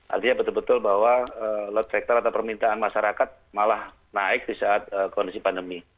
artinya betul betul bahwa load factor atau permintaan masyarakat malah naik di saat kondisi pandemi